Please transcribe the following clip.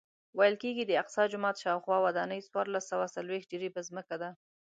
ویل کېږي د اقصی جومات شاوخوا ودانۍ څوارلس سوه څلوېښت جریبه ځمکه ده.